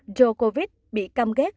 djokovic bị căm ghét